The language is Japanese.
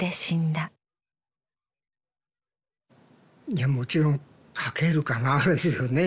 いやもちろん「書けるかな」ですよね。